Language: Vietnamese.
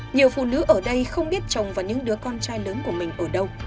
nhiều phụ nữ ở đây không biết chồng và những đứa con trai lớn của mình ở đâu